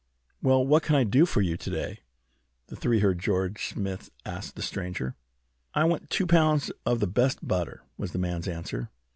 "Well, what can I do for you to day?" the three heard George Smith ask the stranger. "I want two pounds of the best butter," was the man's answer.